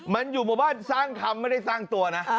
มันอยู่หมู่บ้านสร้างธรรมไม่ได้สร้างตัวนะ